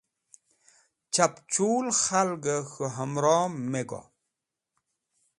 Chapchul khalgẽ k̃hũ hẽmro me go.